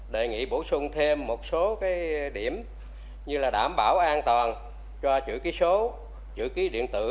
đề nghị bổ sung thêm một số điểm như là đảm bảo an toàn cho chữ ký số chữ ký điện tử